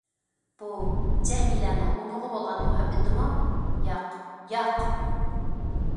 بۇ جەمىلەنىڭ ئۇنىڭغا بولغان مۇھەببىتىمۇ؟ ياق، ياق!